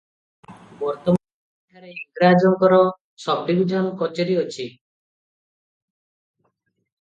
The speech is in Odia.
ବର୍ତ୍ତମାନ ଏଠାରେ ଇଂରାଜଙ୍କର ସବ୍ଡ଼ିବିଜନ କଚେରୀ ଅଛି ।